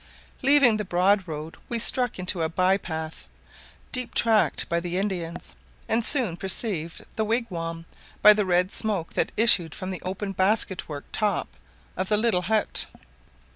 Leaving the broad road we struck into a bye path, deep tracked by the Indians, and soon perceived the wigwam by the red smoke that issued from the open basket work top of the little hut.